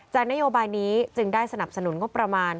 นโยบายนี้จึงได้สนับสนุนงบประมาณ